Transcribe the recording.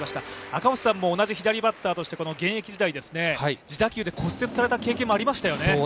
赤星さんも同じ左バッターとして現役時代、自打球で骨折された経験もありましたよね。